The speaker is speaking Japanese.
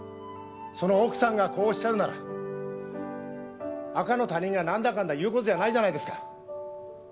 その奥さんがこう仰るなら赤の他人がなんだかんだ言う事じゃないじゃないですか。